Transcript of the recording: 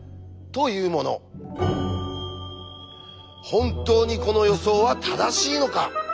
本当にこの予想は正しいのか？